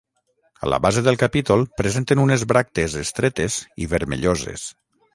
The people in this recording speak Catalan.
A la base del capítol presenten unes bràctees estretes i vermelloses.